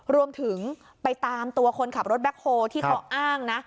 รวมถึงไปตามตัวคนขับรถแบ็คโฮที่เขาอ้างนะ